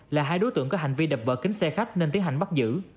là hai đối tượng có hành vi đập vỡ kính xe khách nên tiến hành bắt giữ